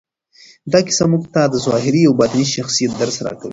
دا کیسه موږ ته د ظاهري او باطني شخصیت درس راکوي.